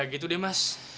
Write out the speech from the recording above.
ya gitu deh mas